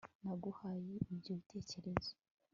naguhaye ibyo bitekerezo